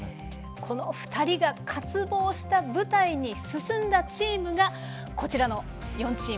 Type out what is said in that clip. この２人が渇望した舞台に進んだチームがこちらの４チーム。